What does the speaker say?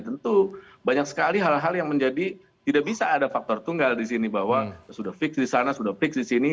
tentu banyak sekali hal hal yang menjadi tidak bisa ada faktor tunggal di sini bahwa sudah fix di sana sudah fix di sini